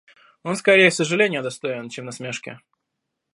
Он скорее сожаления достоин, чем насмешки.